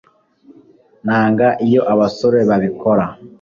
nanga iyo abasore babikora